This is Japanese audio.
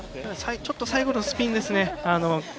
ちょっと最後のスピンですね。